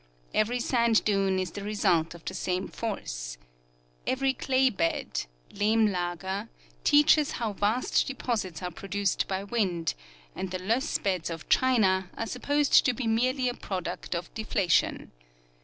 Every sand dune is the result of the same force. Every clay bed (" Lehmlager ") teaches how vast deposits are produced by wind, and the loess beds of China are supposed to be merely a product of deflation.